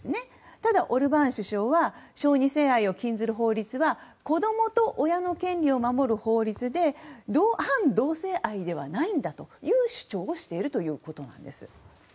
ただ、オルバーン首相は小児性愛を禁ずる法律は子供と親の権利を守る法律で反同性愛ではないんだという主張をしているということなんです。